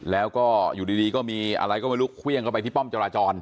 แล้วก็อยู่ดีก็มีอะไรก็ไม่รู้เครื่องเข้าไปที่ป้อมจราจร